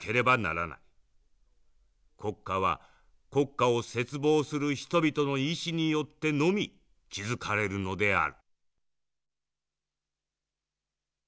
国家は国家を切望する人々の意志によってのみ築かれるのである」。